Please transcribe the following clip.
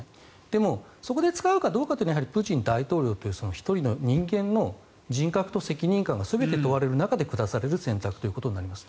でも、そこで使うかどうかというのはプーチン大統領という１人の人間の人格と責任感が全て問われる中で下される選択ということになります。